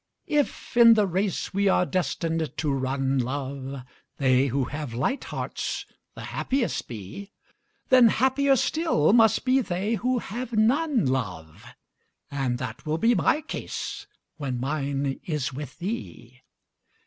If in the race we are destined to run, love, They who have light hearts the happiest be, Then happier still must be they who have none, love. And that will be my case when mine is with thee.